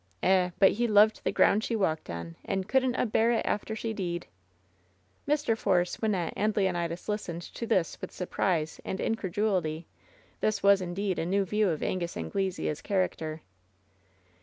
Eh, but he loved the ground she walked on, and couldn't a bear it after she deed." Mr. Force, Wynnette and Leonidas listened to this with surprise and incredulity. This was, indeed, a new view of Angus Anglesea's character.